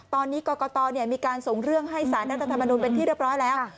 ตอนนี้กรกตมีการส่งเรื่องให้สารรัฐธรรมนุนเป็นที่เรียบร้อยแล้ว